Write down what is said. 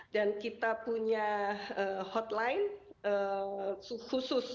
dan kita punya hotline khusus